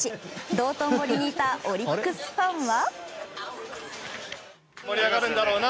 道頓堀にいたオリックスファンは。